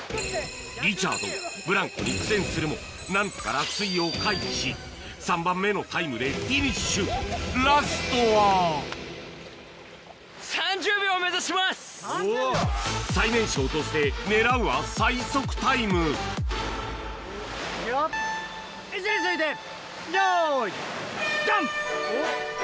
リチャードブランコに苦戦するも何とか落水を回避し３番目のタイムでフィニッシュラストは最年少として狙うは最速タイムいくよ位置について用意ドン！